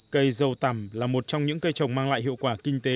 cây dâu tằm là một trong những cây trồng mang lại hiệu quả kinh tế